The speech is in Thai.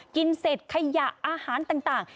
กินเสร็จขยะอาหารต่าง